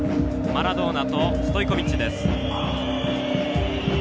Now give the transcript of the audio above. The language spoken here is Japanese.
マラドーナとストイコビッチです。